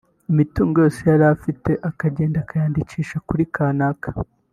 imitungo yose yari afite akagenda akayandikisha kuri kanaka